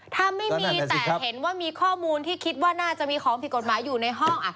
ถ้าไม่มีแต่เห็นว่ามีข้อมูลที่คิดว่าน่าจะมีของผิดกฎหมายอยู่ในห้อง